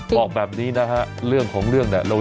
บอกแบบนี้นะฮะเรื่องของเรื่องเนี่ย